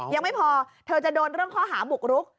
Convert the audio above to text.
ยังไม่พอเธอจะโดนเรื่องข้อหาบุกรุก